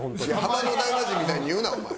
ハマの大魔神みたいに言うなお前。